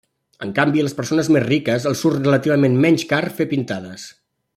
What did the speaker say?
En canvi, a les persones més riques els surt relativament menys car fer pintades.